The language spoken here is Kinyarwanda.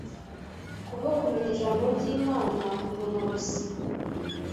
kubwo kumenya Ijambo ry'Imana ku munwa gusa.